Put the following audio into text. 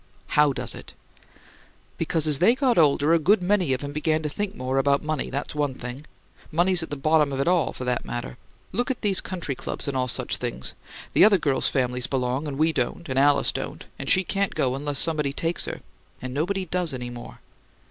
"How does it?" "Because as they got older a good many of 'em began to think more about money; that's one thing. Money's at the bottom of it all, for that matter. Look at these country clubs and all such things: the other girls' families belong and we don't, and Alice don't; and she can't go unless somebody takes her, and nobody does any more.